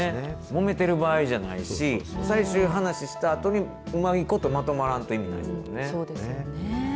もめてる場合じゃないし、最終話したあとに、うまいことまとまらんと意味ないですもんね。